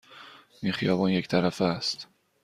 این خیابان یک طرفه است.